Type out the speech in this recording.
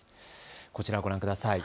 こちらご覧ください。